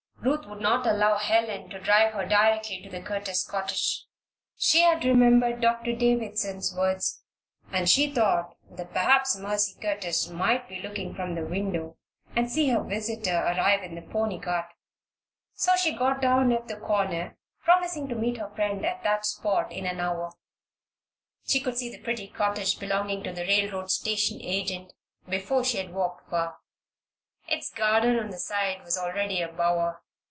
Ruth would not allow Helen to drive her directly to the Curtis cottage. She had remembered Doctor Davison's words, and she thought that perhaps Mercy Curtis might be looking from the window and see her visitor arrive in the pony cart. So she got down at the corner, promising to meet her friend at that spot in an hour. She could see the pretty cottage belonging to the railroad station agent before she had walked far. Its garden on the side was already a bower.